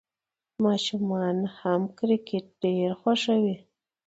ماشومان هم کرکټ ډېر خوښوي.